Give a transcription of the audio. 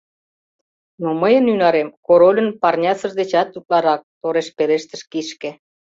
— Но мыйын ӱнарем корольын парнясыж дечат утларак, — тореш пелештыш кишке.